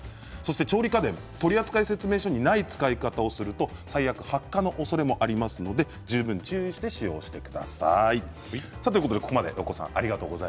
調理家電取扱説明書にない使い方をすると最悪発火のおそれもありますので十分注意して使用してください。